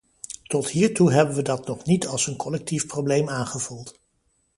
Tot hier toe hebben we dat nog niet als een collectief probleem aangevoeld.